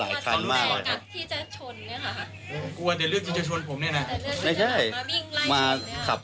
ไม่ผมไม่ชนนะถ้าผมชนชนไปแล้วนะครับ